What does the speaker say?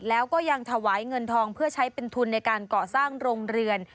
แล้วก็ยังถวายเงินทองเพื่อใช้เป็นทุนในการก่อสร้างโรงเรือน